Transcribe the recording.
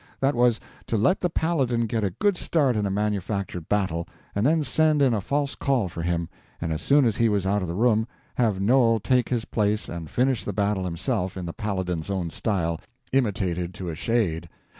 That was, to let the Paladin get a good start in a manufactured battle, and then send in a false call for him, and as soon as he was out of the room, have Noel take his place and finish the battle himself in the Paladin's own style, imitated to a shade.